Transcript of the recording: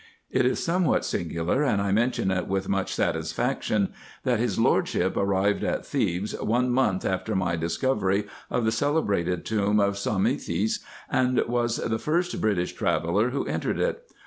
It is somewhat singular, and I mention it with much satis faction, that his Lordship arrived at Thebes one month after my discovery of the celebrated tomb of Psammethis, and was the first British traveller who entered it.